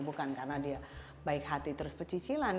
bukan karena dia baik hati terus pecicilan